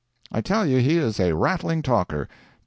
I tell you he is a rattling talker.